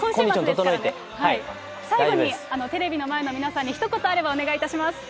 最後に、テレビの前の皆さんにひと言あればお願いいたします。